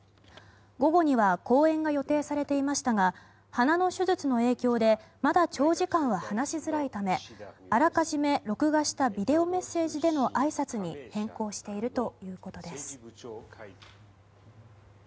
午後には講演が予定されていましたが鼻の手術の影響でまだ長時間は話しづらいためあらかじめ録画したビデオメッセージでのあいさつに変更しているということです。